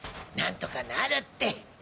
なんとかなるって。